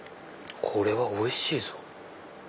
これはおいしいぞ。